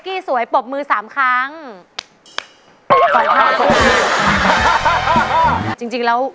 เกิดเสียแฟนไปช่วยไม่ได้นะ